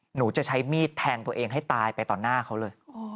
หนูจะใช้มีดแทงตัวเองให้ตายไปต่อหน้าเขาเลย